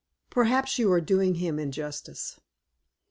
"Perhaps you are doing him injustice."